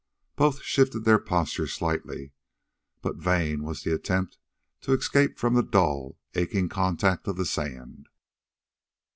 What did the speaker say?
Both shifted their postures slightly, but vain was the attempt to escape from the dull, aching contact of the sand.